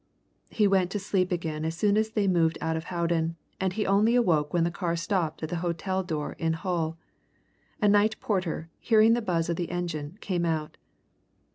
He went to sleep again as soon as they moved out of Howden, and he only awoke when the car stopped at the hotel door in Hull. A night porter, hearing the buzz of the engine, came out.